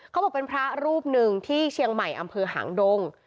เขาบอกเป็นพระรูปหนึ่งที่เชียงใหม่อำเภอหางดง